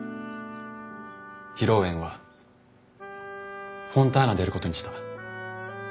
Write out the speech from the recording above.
披露宴はフォンターナでやることにした。